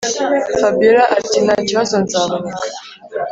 fabiora ati”ntakibazo nzaboneka”